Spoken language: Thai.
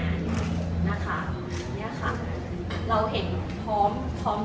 อันนั้นอ่ะเราก็ไม่รู้ทราบพร้อมทุกคนเหมือนกันว่า